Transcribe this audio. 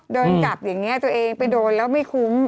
โดนจับอย่างนี้ตัวเองไปโดนแล้วไม่คุ้ม